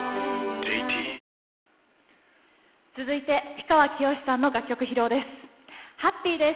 ＪＴ続いて氷川きよしさんの楽曲披露です。